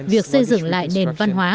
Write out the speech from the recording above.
việc xây dựng lại nền văn hóa